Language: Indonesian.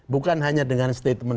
bukan hanya dengan statement